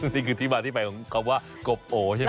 นี่คือที่มาที่ไปของคำว่ากบโอใช่ไหม